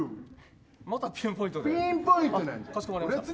またピンポイントで。